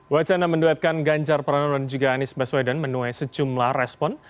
wacana menduetkan ganjar pranowo dan juga anies baswedan menuai sejumlah respon